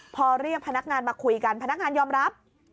พอเรียกพนักงานมาคุยกันพนักงานยอมรับ